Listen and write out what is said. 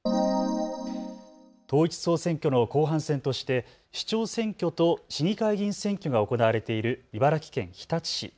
統一地方選挙の後半戦として市長選挙と市議会議員選挙が行われている茨城県日立市。